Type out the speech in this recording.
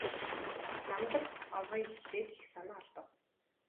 Намдаг авга ийн хэлээд их санаа алдав.